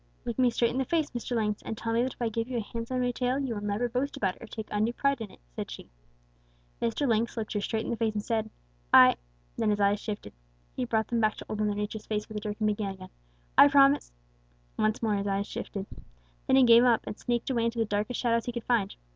"'Look me straight in the face, Mr. Lynx, and tell me that if I give you a handsome new tail, you will never boast about it or take undue pride in it,' said she. "Mr. Lynx looked her straight in the face and said 'I ' Then his eyes shifted. He brought them back to Old Mother Nature's face with a jerk and began again. 'I promise ' Once more his eyes shifted. Then he gave up and sneaked away into the darkest shadows he could find.